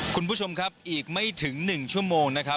คุณผู้ชมครับอีกไม่ถึง๑ชั่วโมงนะครับ